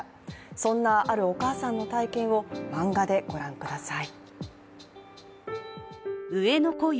そんなあるお母さんの体験を、漫画でご覧ください。